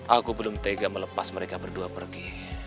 aku belum tega melepas mereka berdua pergi